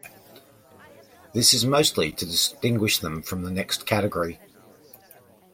This is mostly to distinguish them from the next category.